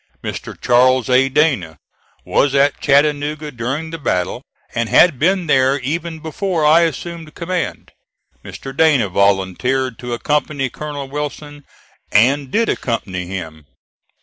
Mr. Charles A. Dana was at Chattanooga during the battle, and had been there even before I assumed command. Mr. Dana volunteered to accompany Colonel Wilson, and did accompany him.